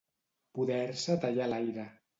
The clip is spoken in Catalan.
Poder-se tallar l'aire.